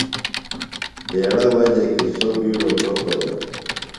ایڑہ وجہ کیۡ سوُ بِیڈوۡ تُرۡوکوۡ دےۡ۔